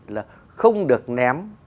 là không được ném